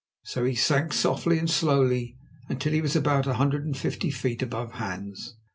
So he sank softly and slowly until he was about a hundred and fifty feet above Hans.